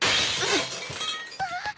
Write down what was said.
・あっ。